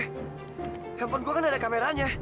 handphone gue kan ada kameranya